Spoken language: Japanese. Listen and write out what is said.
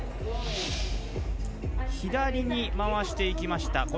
左に回していきました。